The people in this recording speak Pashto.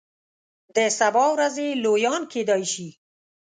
د سبا ورځې لویان کیدای شي.